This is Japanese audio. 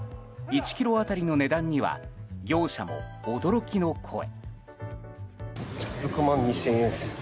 １ｋｇ当たりの値段には業者も驚きの声。